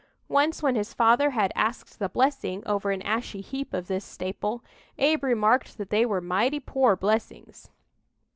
Once when his father had "asked the blessing" over an ashy heap of this staple, Abe remarked that they were "mighty poor blessings!"